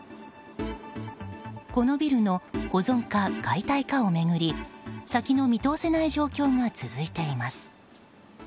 このビルの保存か解体かを巡り先の見通せない状況が続いています。